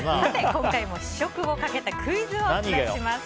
今回も試食をかけたクイズをお伝えします。